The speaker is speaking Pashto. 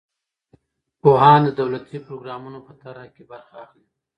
پوهان د دولتي پروګرامونو په طرحه کې برخه اخلي.